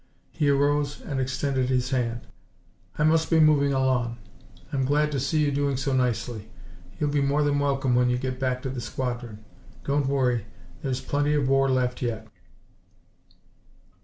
He arose and extended his hand. "I must be moving along. I'm glad to see you doing so nicely. You'll be more than welcome when you get back to the squadron. Don't worry. There's plenty of war left yet."